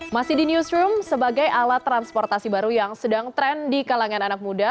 masih di newsroom sebagai alat transportasi baru yang sedang tren di kalangan anak muda